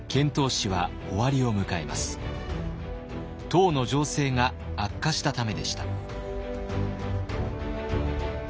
唐の情勢が悪化したためでした。